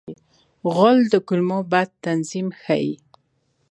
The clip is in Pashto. غول د کولمو بد تنظیم ښيي.